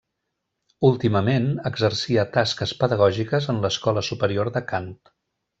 Últimament, exercia tasques pedagògiques en l'Escola Superior de Cant.